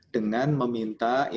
dengan meminta investasi